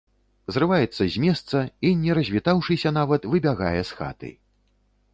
Зрываецца з месца і, не развітаўшыся нават, выбягае з хаты.